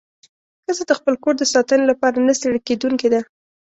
ښځه د خپل کور د ساتنې لپاره نه ستړې کېدونکې ده.